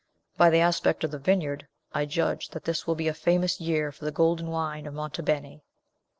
By the aspect of the vineyard, I judge that this will be a famous year for the golden wine of Monte Beni.